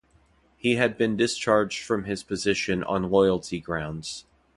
He had been discharged from his position on loyalty grounds.